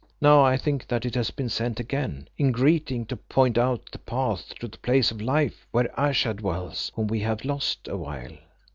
Now I think that it has been sent again in greeting to point out the path to the Place of Life where Ayesha dwells, whom we have lost awhile."